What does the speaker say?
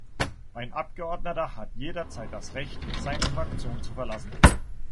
Ein Abgeordneter hat jederzeit das Recht, seine Fraktion zu verlassen.